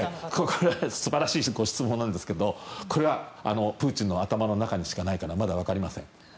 これは素晴らしいご質問なんですけどこれはプーチンの頭の中にしかないからまだわかりません。